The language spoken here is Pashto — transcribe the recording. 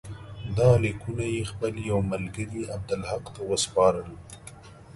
دا لیکونه یې خپل یوه ملګري عبدالحق ته وسپارل.